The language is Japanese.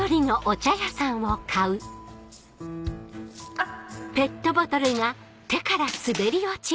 あっ！